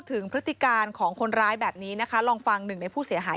สุดท้ายก็จะถามว่าเป็นคนอะไรแล้วก็บอกเขาไปสักพักหนึ่งประมาณ